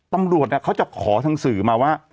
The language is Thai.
ตำรวจเขาจะขอทางสื่อมาว่า